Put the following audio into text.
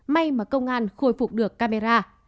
may mà công an khôi phục được camera